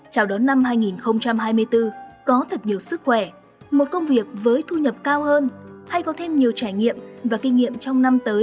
chào đón năm hai nghìn hai mươi bốn có thật nhiều sức khỏe một công việc với thu nhập cao hơn hay có thêm nhiều trải nghiệm và kinh nghiệm trong năm tới